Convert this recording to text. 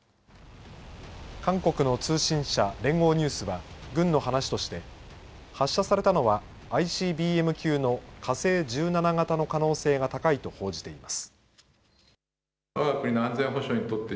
韓国の通信社連合ニュースは軍の話として発射されたのはＩＣＢＭ級の火星１７型の可能性が高いと報じています。